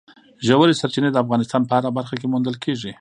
ژورې سرچینې د افغانستان په هره برخه کې موندل کېږي.